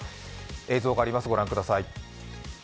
映像があります、ご覧ください。